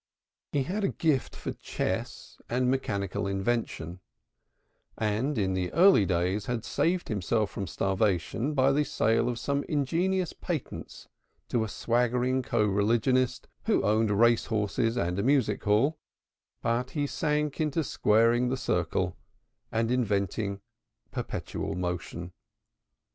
He had a gift for chess and mechanical invention, and in the early days had saved himself from starvation by the sale of some ingenious patents to a swaggering co religionist who owned race horses and a music hall, but he sank into squaring the circle and inventing perpetual motion.